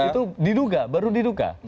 itu diduga baru diduga